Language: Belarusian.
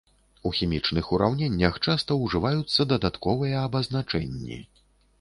У хімічных ураўненнях часта ўжываюцца дадатковыя абазначэнні.